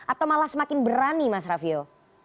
atau malah semakin berani mas raffio